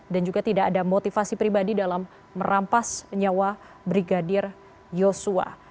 dan juga tidak ada motivasi pribadi dalam merampas nyawa brigadir yosua